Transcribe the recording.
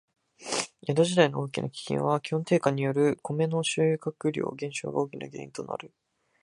江戸時代の大きな飢饉は、気温低下によるコメの収穫量減少が大きな原因である。